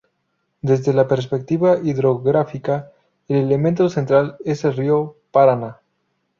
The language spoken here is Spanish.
Desde la perspectiva hidrográfica, el elemento central es el Río Paraná.